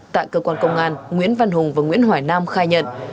tại cơ quan công an nguyễn văn hùng và nguyễn hỏi nam khai nhận